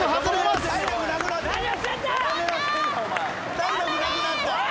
体力なくなった。